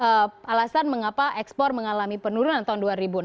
jadi salah satu alasan mengapa ekspor mengalami penurunan tahun dua ribu enam belas